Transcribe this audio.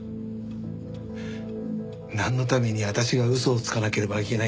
なんのためにあたしが嘘をつかなければいけないんですか？